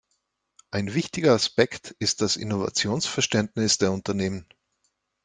Ein wichtiger Aspekt ist das Innovationsverständnis der Unternehmen.